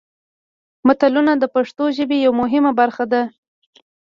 متلونه د پښتو ژبې یوه مهمه برخه ده